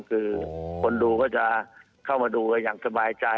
คือคนดูก็จะเข้ามาดูกันอย่างสบายใจ